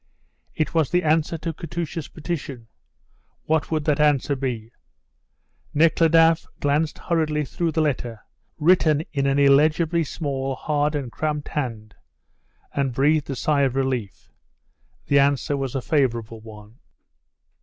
It was the answer to Katusha's petition. What would that answer be? Nekhludoff glanced hurriedly through the letter, written in an illegibly small, hard, and cramped hand, and breathed a sigh of relief. The answer was a favourable one.